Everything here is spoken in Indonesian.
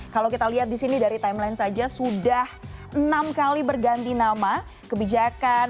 kalau kita lihat di sini dari timeline saja sudah enam kali berganti nama kebijakan